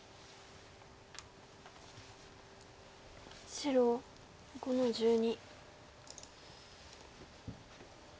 白５の十二。